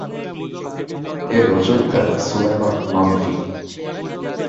এর রচয়িতা সুলাইমান নদভী।